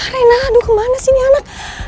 rena aduh kemana sih ini anak